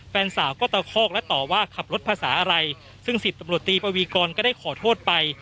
แฟนสาวก็ตะคอกและต่อว่าขับรถภาษาอะไรซึ่งสิบตำรวจตีปวีกรก็ได้ขอโทษไป